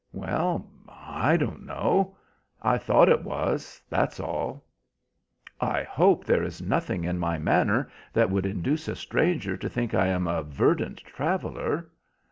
"Well, I don't know. I thought it was, that's all." "I hope there is nothing in my manner that would induce a stranger to think I am a verdant traveller."